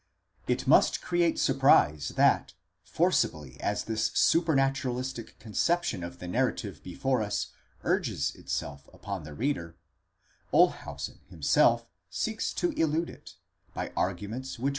¢ It must create surprise that,. forcibly as this supranaturalistic conception of the narrative before us urges. itself upon the reader, Olshausen himself seeks to elude it, by arguments which.